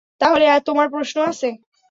তাহলে তোমার প্রশ্ন আছে?